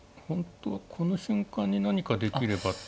ほんとはこの瞬間に何かできれば。